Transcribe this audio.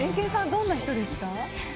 どんな人ですか？